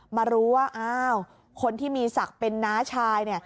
มารู้ว่าอ้าวคนที่มีศักดิ์เป็นน้าชายเนี่ย